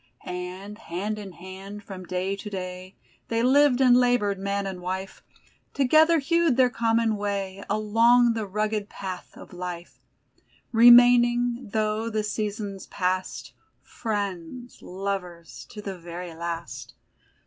And, hand in hand, from day to day, They lived and labored, man and wife; Together hewed their common way Along the rugged path of Life; Remaining, though the seasons pass'd, Friends, lovers, to the very last.